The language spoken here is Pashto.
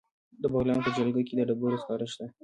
د بغلان په جلګه کې د ډبرو سکاره شته.